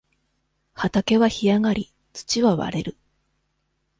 畑は干上がり、土は割れる。